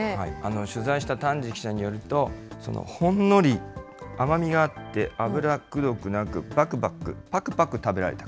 取材した丹治記者によると、ほんのり甘みがあって油くどくなく、ぱくぱく食べられた。